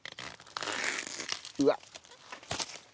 うわっ。